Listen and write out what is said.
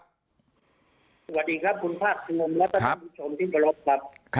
สวัสดีครับคุณภาคภูมิและท่านผู้ชมที่เคารพครับ